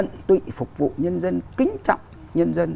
tận tụy phục vụ nhân dân kính trọng nhân dân